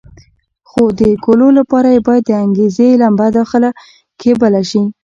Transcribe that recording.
خو د کولو لپاره یې باید د انګېزې لمبه داخله کې بله شي.